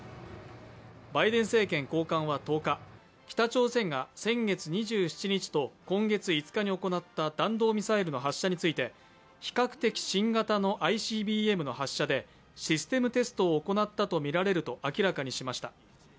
バイデン政権高官は１０日、北朝鮮が先月２７日と今月５日に行った弾道ミサイルの発射について、比較的新型のＩＣＢＭの発射でシステムテストを行ったとみられると明らかにしました。